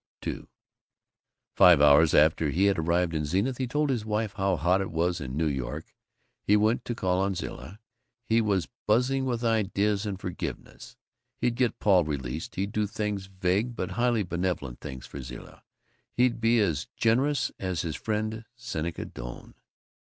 II Five hours after he had arrived in Zenith and told his wife how hot it was in New York, he went to call on Zilla. He was buzzing with ideas and forgiveness. He'd get Paul released; he'd do things, vague but highly benevolent things, for Zilla; he'd be as generous as his friend Seneca Doane.